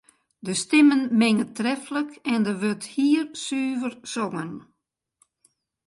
De stimmen minge treflik en der wurdt hiersuver songen.